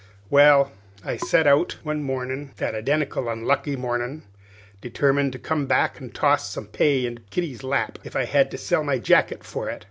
Well, I set out one mornin' that identical unlucky mornin' determined to come back an' toss some pay into Kitty's lap, if I had to sell my jacket for it.